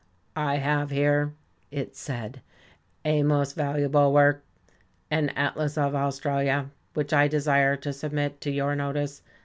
"I have here," it said, "a most valuable work, an Atlas of Australia, which I desire to submit to your notice.